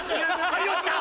有吉さん。